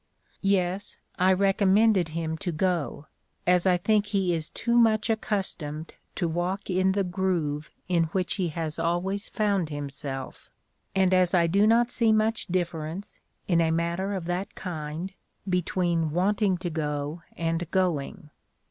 "Yes, I recommended him to go, as I think he is too much accustomed to walk in the groove in which he has always found himself, and as I do not see much difference, in a matter of that kind, between wanting to go and going.